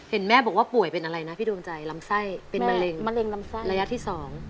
เห็นแม่บอกว่าป่วยเป็นอะไรนะพี่ดวงใจลำไส้เป็นมะเร็งละยะที่๒